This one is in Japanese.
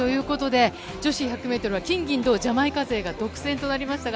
女子１００ｍは金、銀、銅、ジャマイカ勢が独占となりました。